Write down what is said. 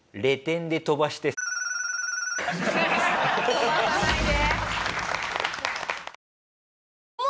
飛ばさないで。